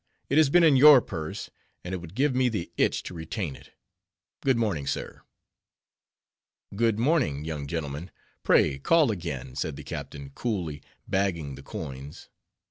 It has been in your purse, and it would give me the itch to retain it. Good morning, sir." "Good morning, young gentlemen; pray, call again," said the captain, coolly bagging the coins.